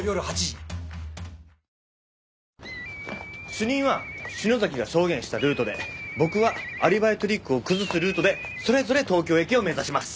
主任は篠崎が証言したルートで僕はアリバイトリックを崩すルートでそれぞれ東京駅を目指します。